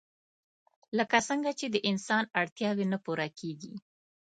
لکه څنګه چې د انسان اړتياوې نه پوره کيږي